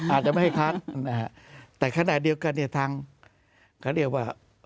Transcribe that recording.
อาจจะไม่ให้คัดนะฮะแต่ขณะเดียวกันเนี่ยทางเขาเรียกว่า